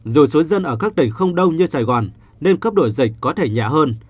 dù số dân ở các tỉnh không đông như sài gòn nên cấp đổi dịch có thể nhẹ hơn